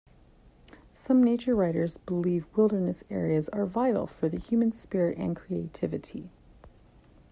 Some nature writers believe wilderness areas are vital for the human spirit and creativity.